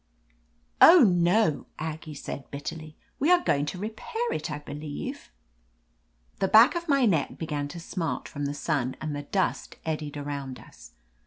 "Oh, no," Aggie said bitterly. "We are go ing to repair it, I believe." 239 THE AMAZING ADVENTURES The back of my neck began to smart from the sun, and the dust eddied around us.